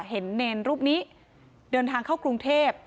เนรรูปนี้เดินทางเข้ากรุงเทพ